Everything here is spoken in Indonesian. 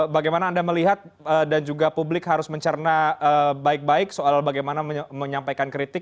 bagaimana anda melihat dan juga publik harus mencerna baik baik soal bagaimana menyampaikan kritik